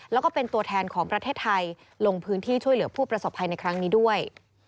แล้วก็เป็นตัวแทนของประเทศไทยลงพื้นที่ช่วยเหลือผู้ประสบภัยในครั้งนี้ด้วย